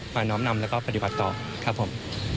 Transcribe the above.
น้อมนำแล้วก็ปฏิบัติต่อครับผม